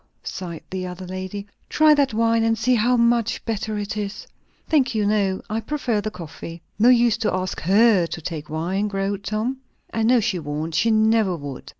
sighed the other lady. "Try that wine, and see how much better it is." "Thank you, no; I prefer the coffee." "No use to ask her to take wine," growled Tom. "I know she won't. She never would.